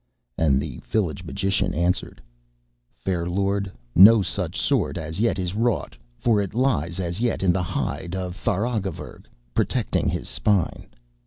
And the village magician answered: 'Fair Lord, no such sword as yet is wrought, for it lies as yet in the hide of Tharagavverug, protecting his spine.'